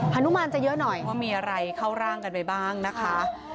นุมานจะเยอะหน่อยว่ามีอะไรเข้าร่างกันไปบ้างนะคะ